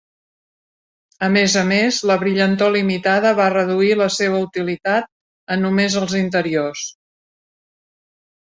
A més a més, la brillantor limitada va reduir la seva utilitat a només els interiors.